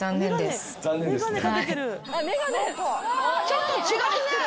ちょっと違うね。